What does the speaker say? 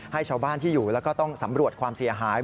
ให้ชาวบ้านที่อยู่แล้วก็ต้องสำรวจความเสียหาย